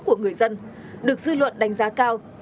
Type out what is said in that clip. của người dân được dư luận đánh giá cao